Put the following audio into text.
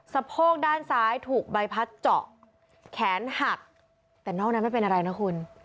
โพกด้านซ้ายถูกใบพัดเจาะแขนหักแต่นอกนั้นไม่เป็นอะไรนะคุณ